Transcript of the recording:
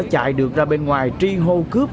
chạy được ra bên ngoài tri hô cướp